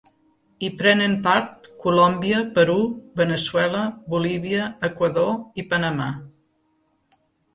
Hi prenen part Colòmbia, Perú, Veneçuela, Bolívia, Equador i Panamà.